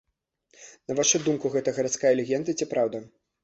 На вашу думку, гэта гарадская легенда ці праўда?